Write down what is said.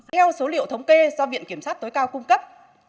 theo số liệu thống kê do viện kiểm sát tối cao cung cấp